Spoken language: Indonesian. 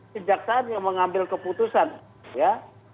kejaksaan yang mengambil keputusan ya